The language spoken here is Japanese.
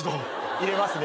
入れますね。